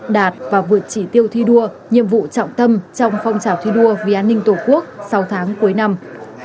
đạt và vượt chỉ tiêu thi đua nhiệm vụ trọng tâm trong phong trào thi đua vì an ninh tổ quốc sáu tháng cuối năm